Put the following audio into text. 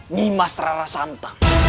nyimas rara santang